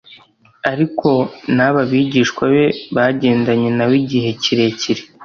ariko n’aba bigishwa be bagendanye nawe igihe kirekire